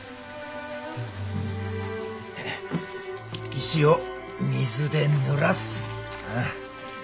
石を水でぬらす。